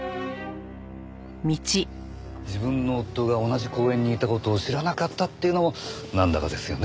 自分の夫が同じ公園にいた事を知らなかったっていうのもなんだかですよね。